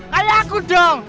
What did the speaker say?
kayak aku dong